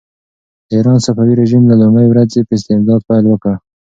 د ایران صفوي رژیم له لومړۍ ورځې په استبداد پیل وکړ.